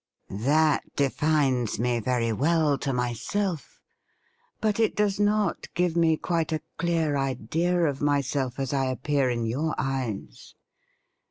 ' That defines me very well to myself, but it does not give me quite a clear idea of myself as I appear in your eyes.